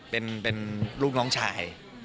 เป็นลูกน้องชาย